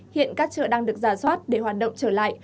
hiện các chợ đang được giả soát để hoạt động trở lại